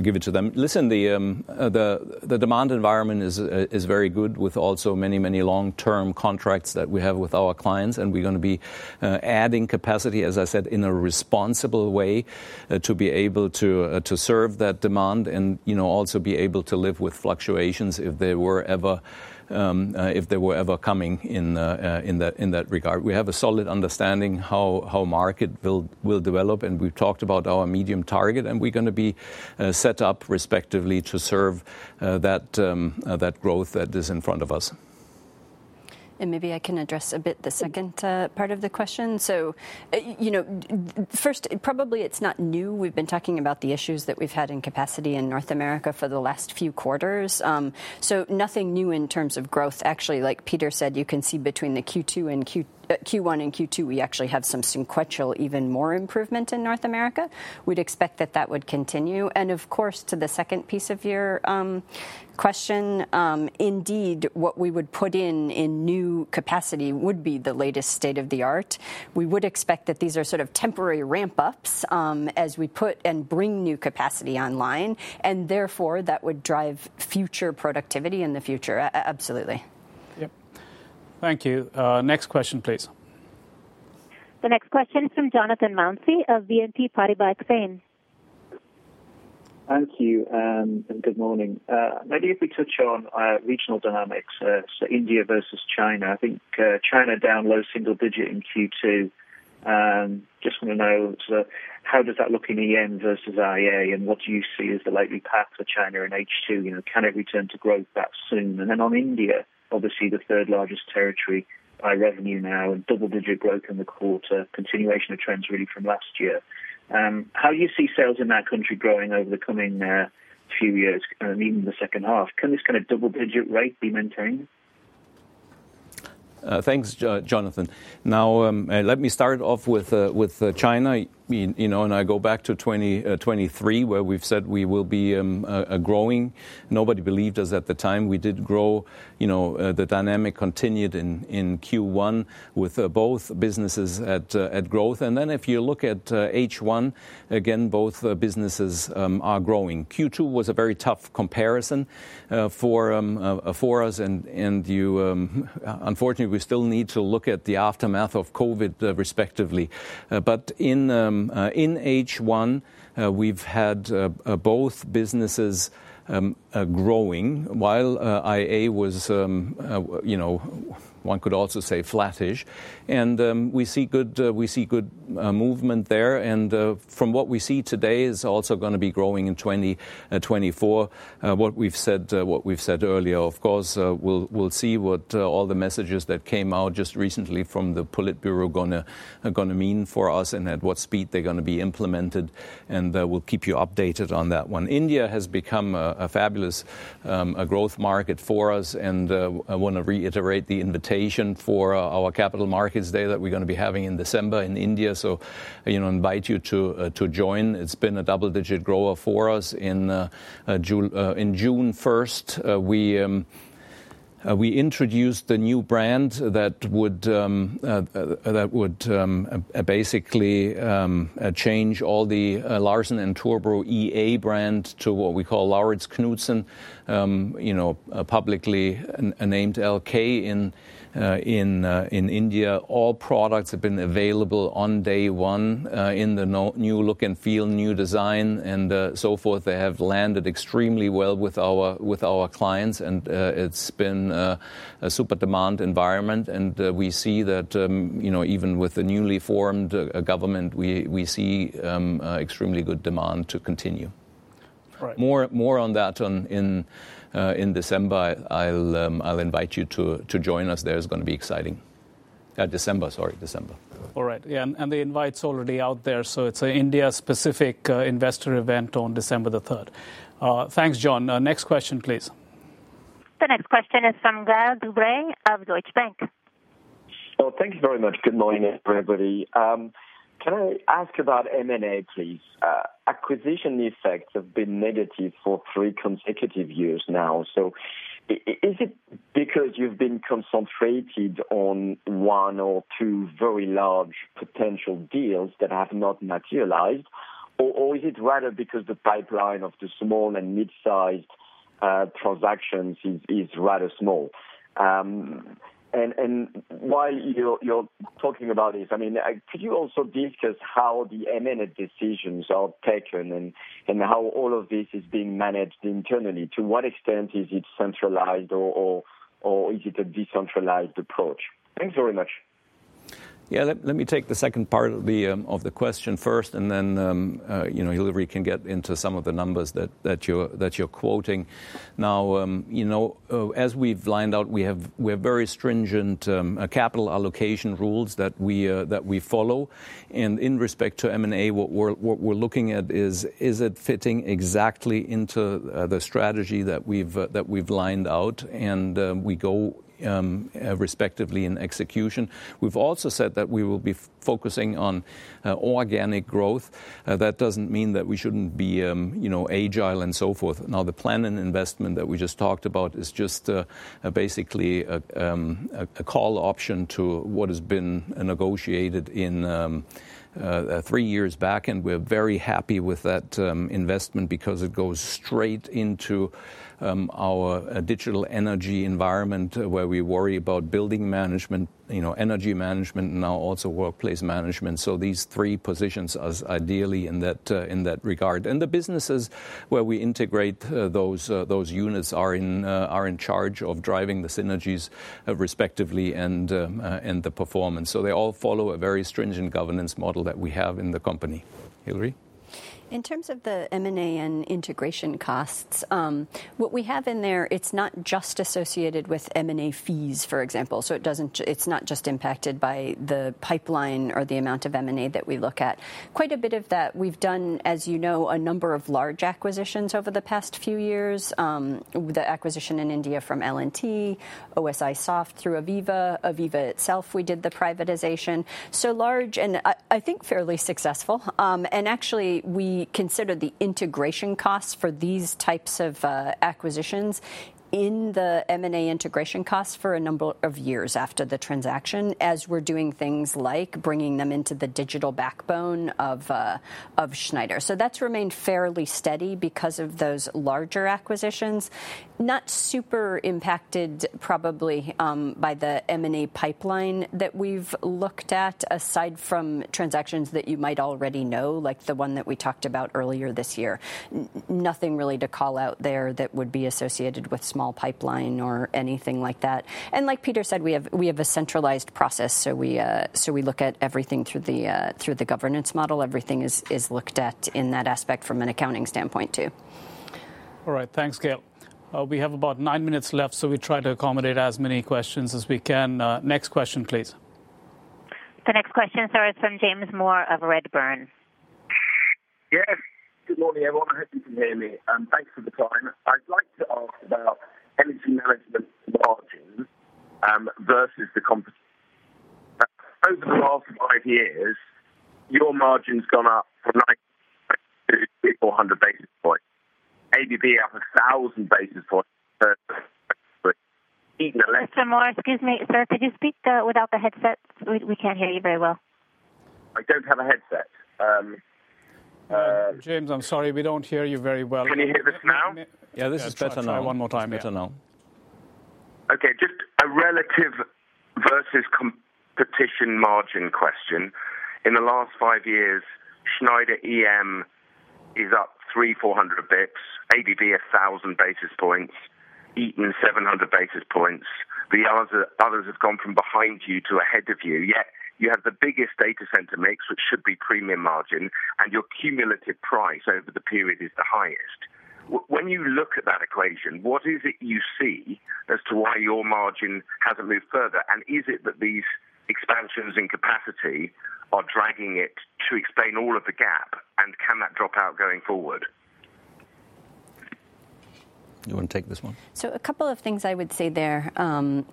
give it to them. Listen, the demand environment is very good with also many, many long-term contracts that we have with our clients, and we're gonna be adding capacity, as I said, in a responsible way, to be able to serve that demand and, you know, also be able to live with fluctuations if they were ever coming in, in that regard. We have a solid understanding how market buildup will develop, and we've talked about our medium target, and we're gonna be set up respectively to serve that growth that is in front of us. Maybe I can address a bit the second part of the question. So, you know, first, probably it's not new. We've been talking about the issues that we've had in capacity in North America for the last few quarters. So nothing new in terms of growth. Actually, like Peter said, you can see between the Q1 and Q2, we actually have some sequential, even more improvement in North America. We'd expect that that would continue, and of course, to the second piece of your question, indeed, what we would put in new capacity would be the latest state of the art. We would expect that these are sort of temporary ramp-ups, as we put and bring new capacity online, and therefore, that would drive future productivity in the future. Absolutely. Yep. Thank you. Next question, please. The next question is from Jonathan Mounsey of BNP Paribas Exane. Thank you, and good morning. Maybe if we touch on regional dynamics, so India versus China. I think China down low single-digit in Q2. Just wanna know how does that look in EM versus IA, and what do you see as the likely path for China in H2? You know, can it return to growth that soon? And then on India, obviously the third largest territory by revenue now, and double-digit growth in the quarter, continuation of trends really from last year. How do you see sales in that country growing over the coming few years, and even in the H2? Can this kind of double-digit rate be maintained? Thanks, Jonathan. Now, let me start off with China. I mean, you know, and I go back to 2023, where we've said we will be growing. Nobody believed us at the time. We did grow. You know, the dynamic continued in Q1 with both businesses at growth. And then if you look at H1, again, both businesses are growing. Q2 was a very tough comparison for us, and you... Unfortunately, we still need to look at the aftermath of COVID, respectively. But in H1, we've had both businesses growing while IA was, you know, one could also say flattish. We see good, we see good, movement there, and from what we see today, is also gonna be growing in 2024. What we've said, what we've said earlier, of course, we'll, we'll see what, all the messages that came out just recently from the Politburo gonna, gonna mean for us and at what speed they're gonna be implemented, and we'll keep you updated on that one. India has become a, a fabulous, growth market for us, and I wanna reiterate the invitation for, our Capital Markets Day that we're gonna be having in December in India, so, you know, invite you to, to join. It's been a double-digit grower for us. In June, first, we introduced a new brand that would basically change all the Larsen & Toubro EA brand to what we call Lauritz Knudsen. You know, publicly named LK in India. All products have been available on day one in the new look and feel, new design, and so forth. They have landed extremely well with our clients, and it's been a super demand environment, and we see that, you know, even with the newly formed government, we see extremely good demand to continue. Right. More on that in December. I'll invite you to join us there. It's gonna be exciting. December, sorry, December. All right. Yeah, and the invite's already out there, so it's a India-specific investor event on December the third. Thanks, John. Next question, please. The next question is from Gael de-Bray of Deutsche Bank. Well, thank you very much. Good morning, everybody. Can I ask about M&A, please? Acquisition effects have been negative for three consecutive years now. So is it because you've been concentrated on one or two very large potential deals that have not materialized, or is it rather because the pipeline of the small and mid-sized transactions is rather small? And while you're talking about this, I mean, could you also discuss how the M&A decisions are taken and how all of this is being managed internally? To what extent is it centralized or is it a decentralized approach? Thanks very much. ... Yeah, let, let me take the second part of the, of the question first, and then, you know, Hilary can get into some of the numbers that, that you're, that you're quoting. Now, you know, as we've lined out, we have- we have very stringent, capital allocation rules that we, that we follow, and in respect to M&A, what we're, what we're looking at is, is it fitting exactly into, the strategy that we've, that we've lined out? And, we go, respectively in execution. We've also said that we will be f- focusing on, organic growth. That doesn't mean that we shouldn't be, you know, agile and so forth. Now, the plan and investment that we just talked about is just basically a call option to what has been negotiated in three years back, and we're very happy with that investment because it goes straight into our digital energy environment, where we worry about building management, you know, energy management, now also workplace management, so these three positions as ideally in that regard. And the businesses where we integrate those units are in charge of driving the synergies respectively, and the performance. So they all follow a very stringent governance model that we have in the company. Hilary? In terms of the M&A and integration costs, what we have in there, it's not just associated with M&A fees, for example, so it's not just impacted by the pipeline or the amount of M&A that we look at. Quite a bit of that, we've done, as you know, a number of large acquisitions over the past few years. The acquisition in India from L&T, OSIsoft through AVEVA, AVEVA itself, we did the privatization. So large, and I think fairly successful. And actually, we consider the integration costs for these types of acquisitions in the M&A integration costs for a number of years after the transaction, as we're doing things like bringing them into the digital backbone of Schneider. So that's remained fairly steady because of those larger acquisitions. Not super impacted probably by the M&A pipeline that we've looked at, aside from transactions that you might already know, like the one that we talked about earlier this year. Nothing really to call out there that would be associated with small pipeline or anything like that. And like Peter said, we have a centralized process, so we look at everything through the governance model. Everything is looked at in that aspect from an accounting standpoint, too. All right. Thanks, Gaël. We have about nine minutes left, so we try to accommodate as many questions as we can. Next question, please. The next question, sir, is from James Moore of Redburn. Yes, good morning, everyone. I hope you can hear me, and thanks for the time. I'd like to ask about Energy Management margins versus the competition. Over the last five years, your margin's gone up from 90 to 400 basis points. ABB up 1,000 basis points, but- Mr. Moore, excuse me, sir, could you speak without the headsets? We can't hear you very well. I don't have a headset. James, I'm sorry, we don't hear you very well. Can you hear this now? Yeah, this is better now. Try one more time. Better now. Okay, just a relative versus competition margin question. In the last 5 years, Schneider EM is up 300-400 basis points, ABB, 1,000 basis points, Eaton, 700 basis points. The others have gone from behind you to ahead of you, yet you have the biggest data center mix, which should be premium margin, and your cumulative price over the period is the highest. When you look at that equation, what is it you see as to why your margin hasn't moved further? And is it that these expansions in capacity are dragging it to explain all of the gap, and can that drop out going forward? You wanna take this one? So a couple of things I would say there.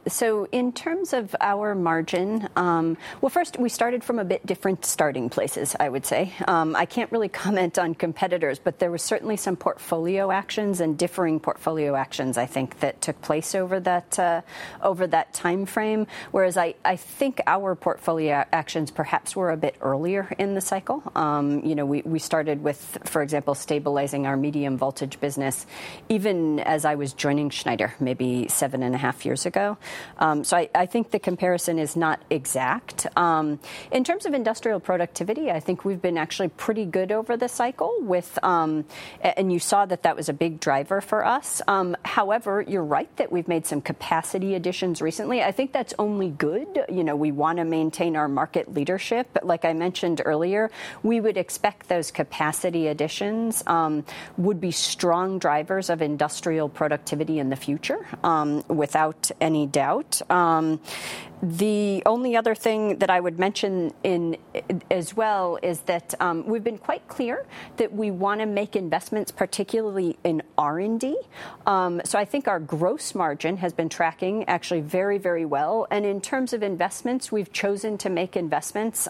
So in terms of our margin... Well, first, we started from a bit different starting places, I would say. I can't really comment on competitors, but there were certainly some portfolio actions and differing portfolio actions, I think, that took place over that timeframe. Whereas I think our portfolio actions perhaps were a bit earlier in the cycle. You know, we started with, for example, stabilizing our medium voltage business, even as I was joining Schneider, maybe 7.5 years ago. So I think the comparison is not exact. In terms of industrial productivity, I think we've been actually pretty good over the cycle with... and you saw that that was a big driver for us. However, you're right that we've made some capacity additions recently. I think that's only good. You know, we wanna maintain our market leadership, but like I mentioned earlier, we would expect those capacity additions, would be strong drivers of industrial productivity in the future, without any doubt. The only other thing that I would mention in, as well, is that, we've been quite clear that we wanna make investments, particularly in R&D. So I think our gross margin has been tracking actually very, very well, and in terms of investments, we've chosen to make investments,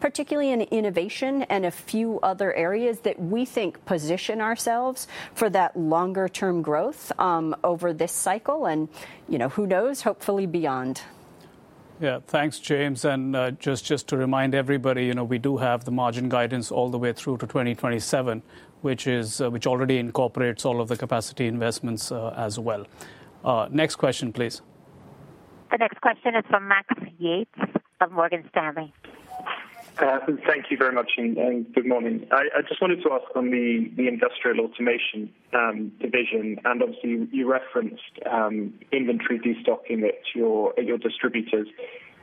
particularly in innovation and a few other areas that we think position ourselves for that longer term growth, over this cycle, and, you know, who knows? Hopefully beyond. Yeah. Thanks, James, and just to remind everybody, you know, we do have the margin guidance all the way through to 2027, which already incorporates all of the capacity investments as well. Next question, please. The next question is from Max Yates of Morgan Stanley. Thank you very much, and good morning. I just wanted to ask on the Industrial Automation division, and obviously you referenced inventory destocking at your distributors.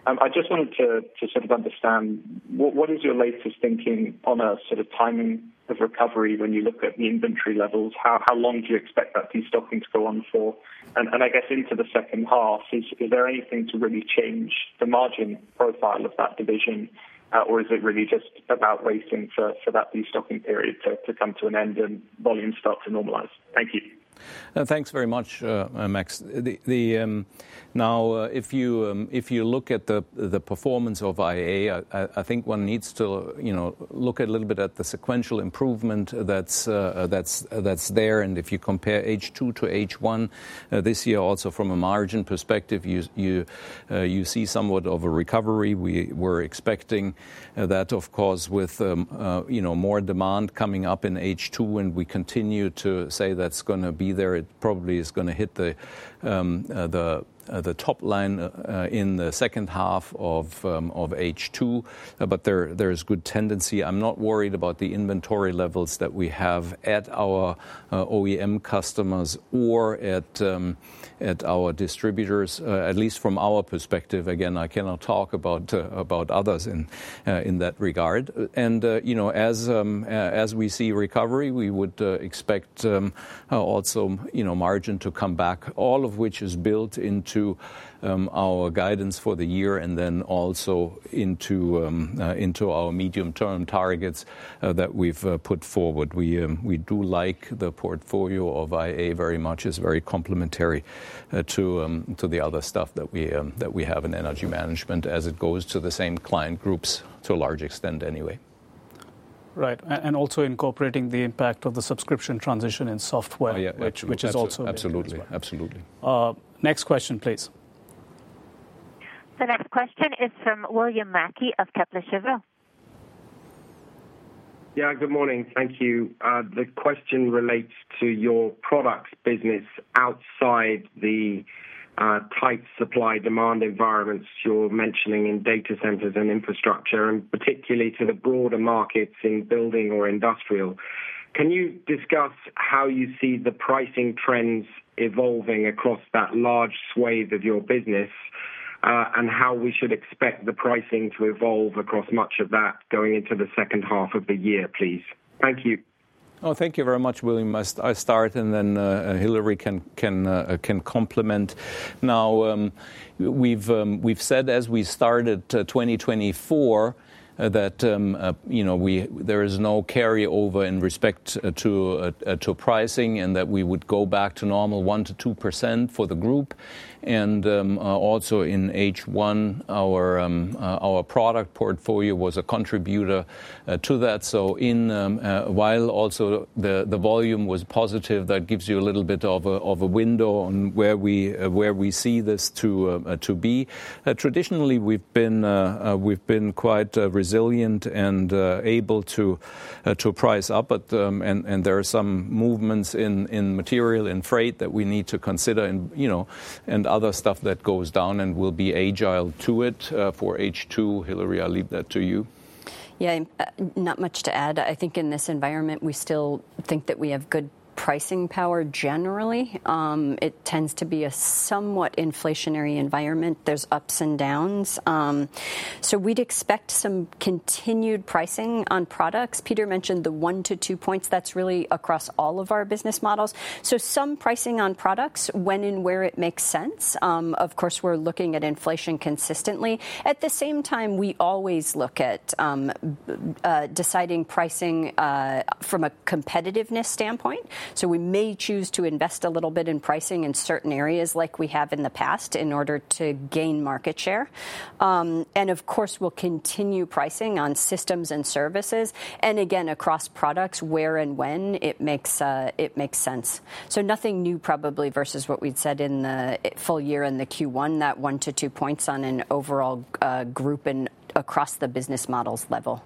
I just wanted to sort of understand what is your latest thinking on a sort of timing of recovery when you look at the inventory levels? How long do you expect that destocking to go on for? And I guess into the H2, is there anything to really change the margin profile of that division, or is it really just about waiting for that destocking period to come to an end and volumes start to normalize? Thank you. Thanks very much, Max. Now, if you look at the performance of IA, I think one needs to, you know, look a little bit at the sequential improvement that's there. And if you compare H2 to H1, this year also from a margin perspective, you see somewhat of a recovery. We were expecting that, of course, with, you know, more demand coming up in H2, and we continue to say that's gonna be there. It probably is gonna hit the top line in the H2 of H2, but there's good tendency. I'm not worried about the inventory levels that we have at our OEM customers or at our distributors, at least from our perspective. Again, I cannot talk about others in that regard. And you know, as we see recovery, we would expect also, you know, margin to come back, all of which is built into our guidance for the year and then also into our medium-term targets that we've put forward. We do like the portfolio of IA very much. It's very complementary to the other stuff that we have in Energy Management as it goes to the same client groups, to a large extent anyway. Right, and also incorporating the impact of the subscription transition in software- Oh, yeah. which is also- Absolutely. Absolutely. Next question, please. The next question is from William Mackie of Kepler Cheuvreux. Yeah, good morning. Thank you. The question relates to your products business outside the tight supply-demand environments you're mentioning in data centers and infrastructure, and particularly to the broader markets in building or industrial. Can you discuss how you see the pricing trends evolving across that large swath of your business, and how we should expect the pricing to evolve across much of that going into the H2 of the year, please? Thank you. Oh, thank you very much, William. I'll start, and then, Hilary can complement. Now, we've said as we started, 2024, that, you know, there is no carryover in respect to, to pricing and that we would go back to normal 1%-2% for the group. And, also in H1, our product portfolio was a contributor, to that. So in, while also the, the volume was positive, that gives you a little bit of a, of a window on where we, where we see this to, to be. Traditionally, we've been, we've been quite, resilient and, able to, to price up. But there are some movements in material and freight that we need to consider and, you know, and other stuff that goes down, and we'll be agile to it. For H2, Hilary, I'll leave that to you. Yeah, not much to add. I think in this environment, we still think that we have good pricing power generally. It tends to be a somewhat inflationary environment. There's ups and downs. So we'd expect some continued pricing on products. Peter mentioned the 1-2 points. That's really across all of our business models. So some pricing on products when and where it makes sense. Of course, we're looking at inflation consistently. At the same time, we always look at deciding pricing from a competitiveness standpoint, so we may choose to invest a little bit in pricing in certain areas like we have in the past, in order to gain market share. And of course, we'll continue pricing on systems and services, and again, across products, where and when it makes sense. Nothing new probably versus what we'd said in the full year and the Q1, that 1-2 points on an overall group and across the business models level.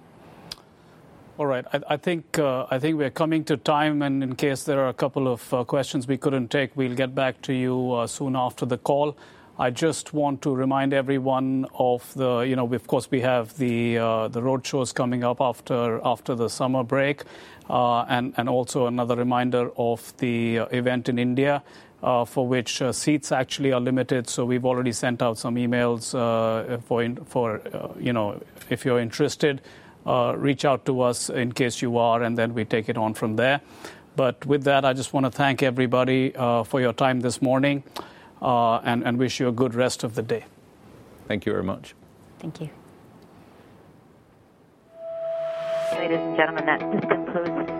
All right. I think we're coming to time, and in case there are a couple of questions we couldn't take, we'll get back to you soon after the call. I just want to remind everyone of the... You know, of course, we have the road shows coming up after the summer break. And also another reminder of the event in India, for which seats actually are limited, so we've already sent out some emails for, you know. If you're interested, reach out to us in case you are, and then we take it on from there. But with that, I just wanna thank everybody for your time this morning, and wish you a good rest of the day. Thank you very much. Thank you. Ladies and gentlemen, that concludes the meeting. You may disconnect at this time.